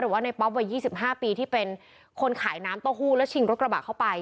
ว่าในป๊อปวัย๒๕ปีที่เป็นคนขายน้ำเต้าหู้และชิงรถกระบะเข้าไป